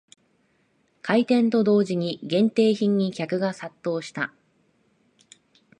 開店と同時に限定品に客が殺到した